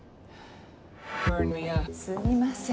すみません。